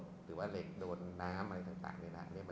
หรือว่าเหล็กโดนน้ำอะไรต่างนี่แหละ